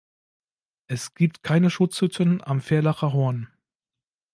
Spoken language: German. Es gibt keine Schutzhütten am Ferlacher Horn.